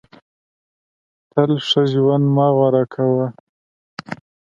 تل ښه ژوند مه غوره کوه.